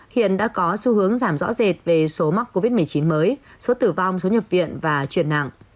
hiện đã có xu hướng giảm rõ rệt về số mắc covid một mươi chín mới số tử vong số nhập viện và chuyển nặng